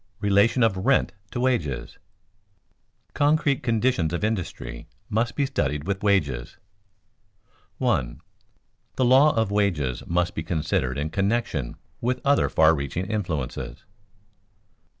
RELATION OF RENT TO WAGES [Sidenote: Concrete conditions of industry must be studied with wages] 1. _The law of wages must be considered in connection with other far reaching influences.